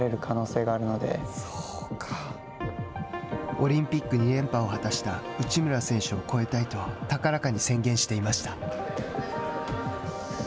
オリンピック２連覇を果たした内村選手を超えたいと高らかに宣言していました。